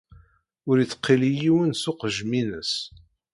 Ur ittqili yiwen s uqejjem-ines.